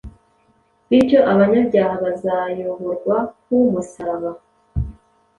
Bityo abanyabyaha bazayoborwa ku musaraba